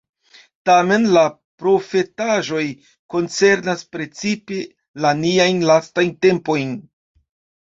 Tamen la profetaĵoj koncernas precipe la niajn lastajn tempojn.